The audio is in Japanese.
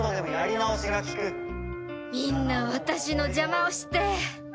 みんな私の邪魔をして！